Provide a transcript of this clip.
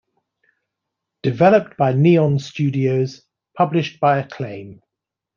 Developed by Neon Studios, published by Acclaim.